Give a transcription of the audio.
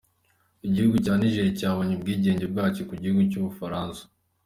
Igihugu cya Niger cyabonye ubwigenge bwacyo ku gihugu cy’u Bufaransa.